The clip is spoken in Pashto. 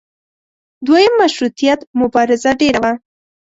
دویم مشروطیت مبارزه ډېره وه.